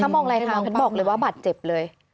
ถ้ามองรายค้าแพทย์บอกเลยว่าบัตรเจ็บเลย